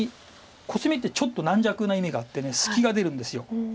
コスミってちょっと軟弱な意味があって隙が出るんです。